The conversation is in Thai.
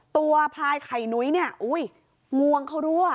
พลายไข่นุ้ยเนี่ยอุ้ยงวงเขารั่ว